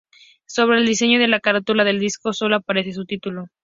Sobre el diseño de la carátula del disco, sólo aparece su título.